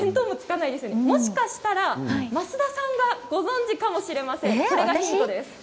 もしかしたら増田さんはご存じかもしれませんそれがヒントです。